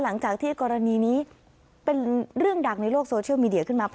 หลังจากที่กรณีนี้เป็นเรื่องดังในโลกโซเชียลมีเดียขึ้นมา